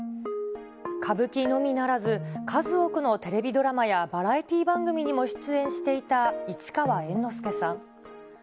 歌舞伎のみならず、数多くのテレビドラマやバラエティー番組にも出演していた市川猿之助さん。